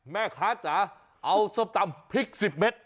แม่คะจะเอาสตำพริก๑๐เม็ด